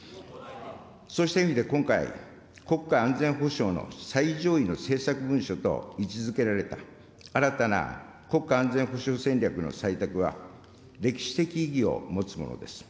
そうした意味で今回、国家安全保障の最上位の政策文書と位置づけられた新たな国家安全保障戦略の採択は、歴史的意義を持つものです。